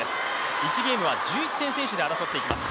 １ゲームは１１点先取で争っていきます。